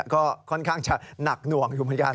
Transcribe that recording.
ก็ค่อนข้างจะหนักหน่วงอยู่เหมือนกัน